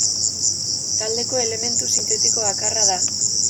Taldeko elementu sintetiko bakarra da.